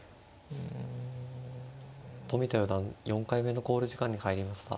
冨田四段４回目の考慮時間に入りました。